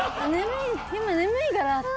今眠いからって。